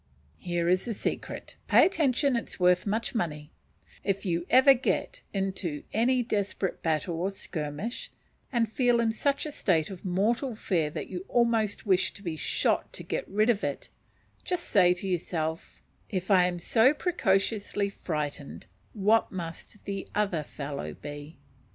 Here is the secret pay attention, it is worth much money if ever you get into any desperate battle or skirmish, and feel in such a state of mortal fear that you almost wish to be shot to get rid of it, just say to yourself "If I am so preciously frightened, what must the other fellow be?"